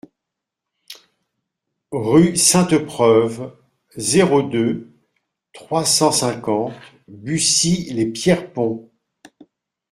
Rue Sainte-Preuve, zéro deux, trois cent cinquante Bucy-lès-Pierrepont